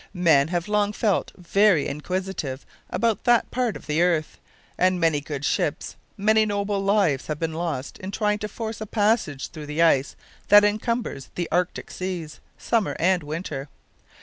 Men have long felt very inquisitive about that part of the earth, and many good ships, many noble lives have been lost in trying to force a passage through the ice that encumbers the Arctic seas, summer and winter.